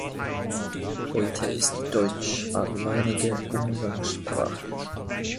Heute ist Deutsch alleinige Umgangssprache.